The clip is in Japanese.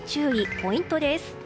ポイントです。